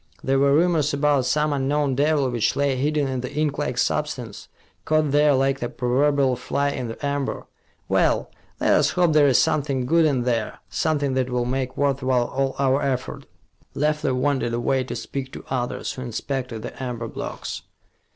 There were rumors about some unknown devil which lay hidden in the inklike substance, caught there like the proverbial fly in the amber. Well, let us hope there is something good in there, something that will make worth while all our effort." Leffler wandered away, to speak to others who inspected the amber blocks.